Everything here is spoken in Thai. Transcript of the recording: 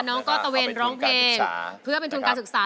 น้องก็ตะเวนร้องเพลงเพื่อเป็นทุนการศึกษา